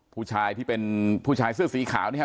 ผู้ชายที่เป็นผู้ชายเสื้อสีขาวเนี่ย